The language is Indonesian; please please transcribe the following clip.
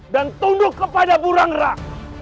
dan tunduk kepada burangrak